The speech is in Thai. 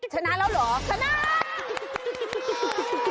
ชนะแล้วเหรอชนะ